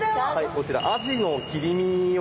こちらアジの切り身を。